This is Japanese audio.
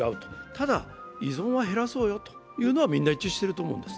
ただ、依存は減らそうよというのはみんな一致してると思うんです。